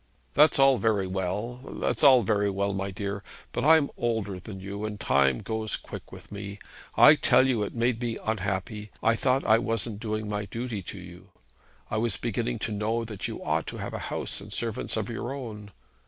'That's all very well; that's all very well, my dear. But I am older than you, and time goes quick with me. I tell you it made me unhappy. I thought I wasn't doing my duty by you. I was beginning to know that you ought to have a house and servants of your own.